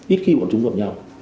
ít khi bọn chúng gặp nhau